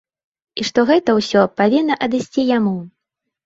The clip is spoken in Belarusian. І што гэта ўсё павінна адысці яму.